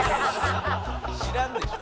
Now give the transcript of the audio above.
「知らんでしょ」